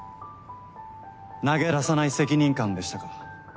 投げ出さない責任感でしたか。